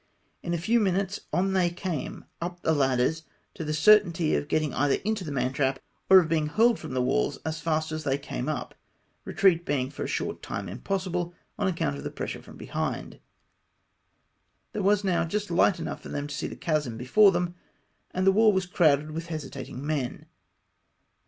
In a few minutes on they came up the ladders, to the certainty of getting either into the mantrap, or of being hurled from the walls as flist as they came up, retreat being for a short time impossible, on account of the pressure from behind. There was now j ust light enough for them to see the chasm before them, and the wall was crowded with hesitating men.